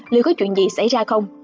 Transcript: liệu có chuyện gì xảy ra không